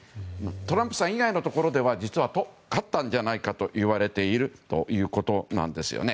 トランプさん以外のところでは実は、勝ったのではないかといわれているということです。